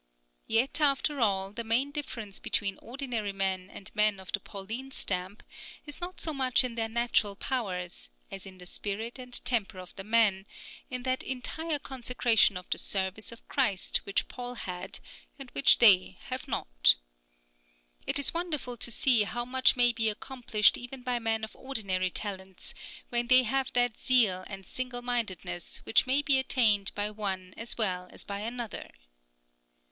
Yet after all, the main difference between ordinary men and men of the Pauline stamp, is not so much in their natural powers, as in the spirit and temper of the men, in that entire consecration to the service of Christ which Paul had, and which they have not. It is wonderful to see how much may be accomplished even by men of ordinary talents, when they have that zeal and single mindedness which may be attained by one as well as by another.